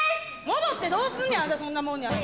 戻ってどうすんねんあんたそんなもんに。